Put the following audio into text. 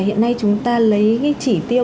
hiện nay chúng ta lấy cái chỉ tiêu